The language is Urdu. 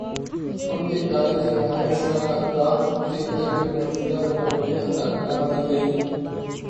ان کے قائد کی رہائش گاہ کے قریب موجود رکاوٹیں ہٹا دی گئیں۔